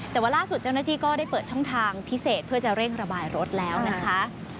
แต่ว่าล่าสุดเจ้าหน้าที่ก็ได้เปิดช่องทางพิเศษเพื่อจะเร่งระบายรถแล้วนะคะ